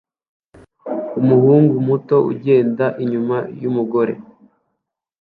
Umuhungu muto ugenda inyuma yumugore